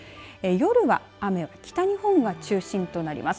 夜は雨は北日本が中心となります。